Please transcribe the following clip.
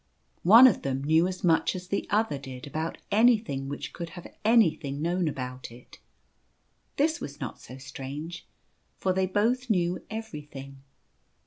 One of them knew as much as the other did about anything which could have anything known about it. This was not so strange, for they both knew everything.